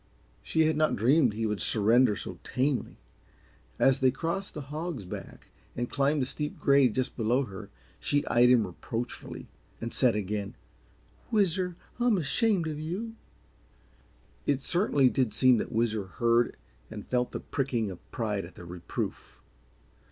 She had not dreamed he would surrender so tamely. As they crossed the Hog's Back and climbed the steep grade just below her, she eyed him reproachfully and said again: "Whizzer, I'm ashamed of you!" It did certainly seem that Whizzer heard and felt the pricking of pride at the reproof.